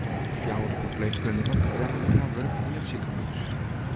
Fjouwer ferpleechkundigen fertelle oer har wurk yn it sikehûs.